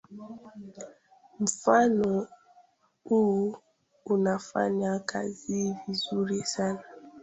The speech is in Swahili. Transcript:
mfumo huu unafanya kazi vizuri sana